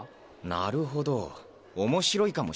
なるほど面白いかもしれないな。